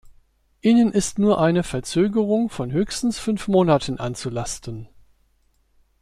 Ihnen ist nur eine Verzögerung von höchstens fünf Monaten anzulasten.